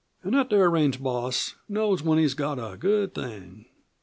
"An' that there range boss knows when he's got a good thing.